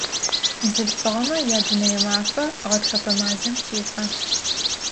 Бзылъфыгъэмэ я Дунэе мафэ гъэтхэпэ мазэм тефэ.